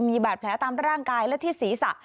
มีบาดแผลตามร่างกายและที่ศีรษะ